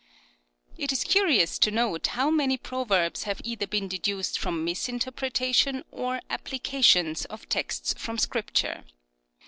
It is curious to note how many proverbs have either been deduced from misinterpretation or applications of texts from Scripture.